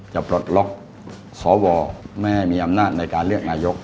ปลดล็อกสวไม่ให้มีอำนาจในการเลือกนายก